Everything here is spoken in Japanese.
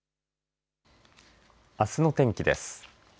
あすの天気です。